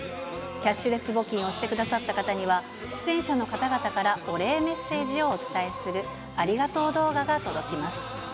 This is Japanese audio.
キャッシュレス募金をしてくださった方には、出演者の方々からお礼メッセージをお伝えするありがとう動画が届きます。